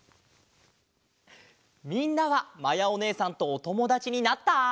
みんなはまやおねえさんとおともだちになった？